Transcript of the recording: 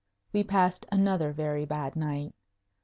We passed another very bad night.